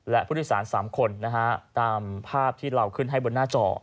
และผู้โดยสาร๓คนนะฮะตามภาพที่เราขึ้นให้บนหน้าจอ